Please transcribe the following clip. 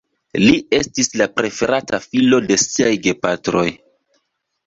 Li estis la preferata filo de siaj gepatroj.